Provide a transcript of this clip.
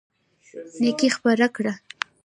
نيکي خپره کړه.